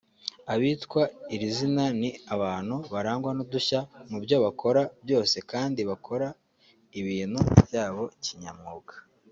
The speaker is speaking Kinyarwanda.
Abitwa iri zina ni abantu barangwa n’udushya mu byo bakora byose kandi bakora ibintu byabo kinyamwuga